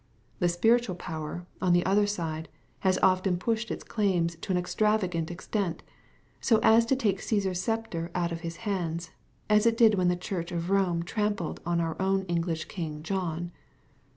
The spiritual power, on the other side, has often pushed its claims to an extravagant ex tent, so as to take Oassar's sceptre out of his hands — as it did when the church of Rome trampled on our own English king John.